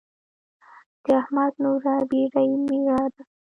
د احمد نوره بېډۍ ميره ده.